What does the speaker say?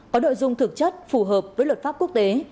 có nội dung thực chất phù hợp với luật pháp quốc tế